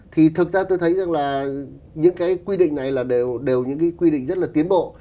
thì thực ra tôi thấy rằng là những cái quy định này là đều những cái quy định rất là tiến bộ